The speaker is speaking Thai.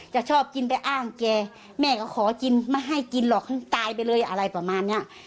จะชอบกินไปอ้างแกแม่ก็ขอกินไม่ให้กินหรอกให้ตายไปเลยอะไรประมาณเนี้ย